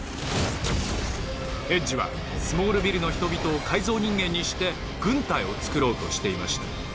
エッジはスモールビルの人々を改造人間にして軍隊を作ろうとしていました。